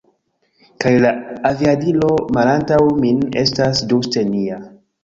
Kaj la aviadilo malantaŭ min estas ĝuste nia